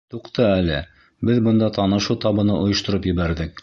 Туҡта әле, беҙ бында танышыу табыны ойоштороп ебәрҙек.